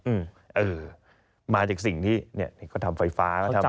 เออมาจากสิ่งที่เนี่ยเขาทำไฟฟ้าก็ทำ